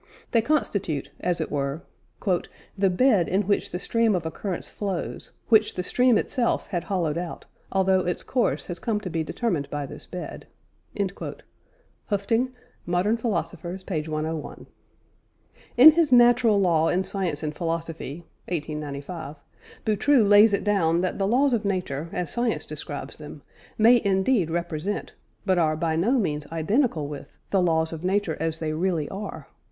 They constitute, as it were, "the bed in which the stream of occurrence flows, which the stream itself had hollowed out, although its course has come to be determined by this bed" (Höffding, Modern Philosophers, p. 101). In his Natural Law in Science and Philosophy (1895), Boutroux lays it down that the laws of nature, as science describes them, may indeed represent, but are by no means identical with, the laws of nature as they really are.